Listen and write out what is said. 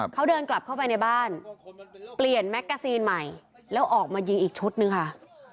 เขาเดินกลับเข้าไปในบ้านเปลี่ยนแมกกาซีนใหม่แล้วออกมายิงอีกชุดนึงค่ะ